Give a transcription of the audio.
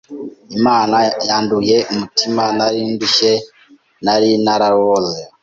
Imana yanduhuye umutima nari ndushye nari naraboze